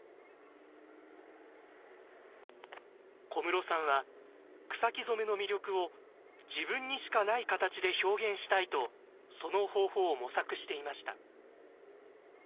小室さんは草木染めの魅力を自分にしかない形で表現したいとその方法を模索していました。